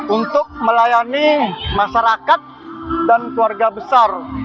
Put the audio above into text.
untuk melayani masyarakat dan keluarga besar